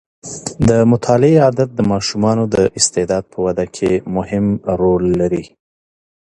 د مطالعې عادت د ماشومانو د استعداد په وده کې مهم رول لري.